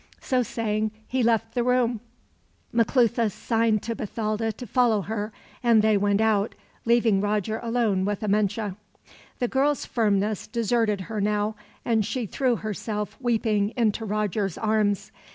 So saying, he left the room. Maclutha signed to Bathalda to follow her, and they went out, leaving Roger alone with Amenche. The girl's firmness deserted her now, and she threw herself, weeping, into Roger's arms.